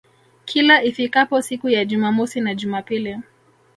Kila ifikapo siku za Jumamosi na Jumapili